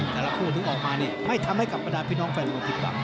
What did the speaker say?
แต่ละครูถึงออกมาเนี่ยไม่ทำให้กลับมาได้พี่น้องแฟนของทิศบัง